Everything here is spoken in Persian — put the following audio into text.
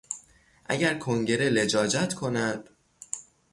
اگر کنگره لجاجت کند...